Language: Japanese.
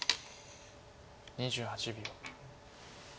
２８秒。